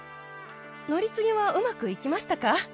乗り継ぎはうまくいきましたか？